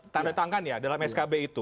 tanda tangan ya dalam skb itu